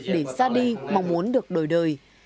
để xa đi mong muốn được đổi đời